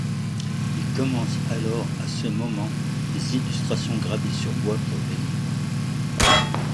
Il commence alors à ce moment des illustrations gravées sur bois pour des livres.